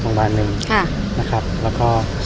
ภาษาสนิทยาลัยสุดท้าย